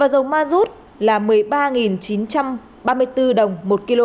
dầu mazut tăng một mươi ba chín trăm ba mươi bốn đồng một kg giá mới là năm trăm hai mươi tám đồng một lít